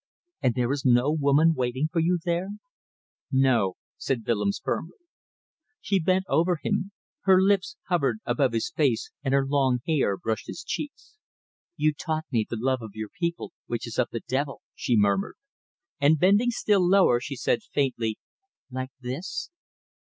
"And there is no woman waiting for you there?" "No!" said Willems, firmly. She bent over him. Her lips hovered above his face and her long hair brushed his cheeks. "You taught me the love of your people which is of the Devil," she murmured, and bending still lower, she said faintly, "Like this?"